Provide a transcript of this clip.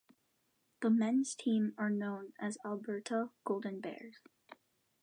The men's teams are known as the Alberta Golden Bears.